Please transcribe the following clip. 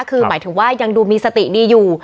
คือหมายถึงว่ายังดูมีสติดีอยู่